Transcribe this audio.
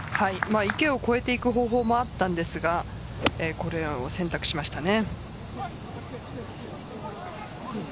池を越えていく方法もあったんですがこれを選択しましたね。